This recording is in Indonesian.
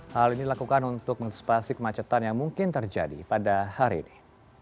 hal ini dilakukan untuk menghentus pasif macetan yang mungkin terjadi pada hari ini